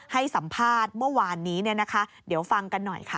ให้สัมภาษณ์เมื่อวานนี้เนี่ยนะคะเดี๋ยวฟังกันหน่อยค่ะ